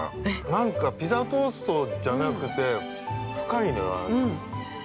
なんかピザトーストじゃなくて深いのよ、味が。